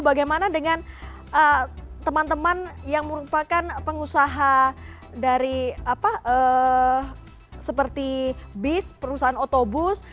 bagaimana dengan teman teman yang merupakan pengusaha dari bis perusahaan otobus